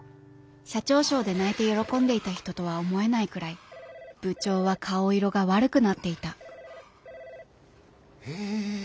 社長賞で泣いて喜んでいた人とは思えないぐらい部長は顔色が悪くなっていたええ